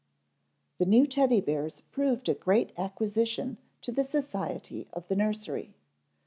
_ THE new Teddy bears proved a great acquisition to the society of the nursery.